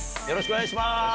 よろしくお願いします。